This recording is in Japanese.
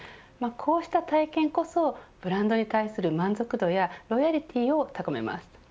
こうした体験こそブランドに対する満足度やロイヤルティーを高めます。